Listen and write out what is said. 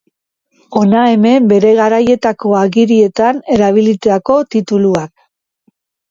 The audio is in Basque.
Hona hemen bere garaietako agirietan erabilitako tituluak.